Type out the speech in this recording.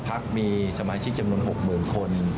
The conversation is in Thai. พักมีสมาชิกจำนวน๖๐๐๐คน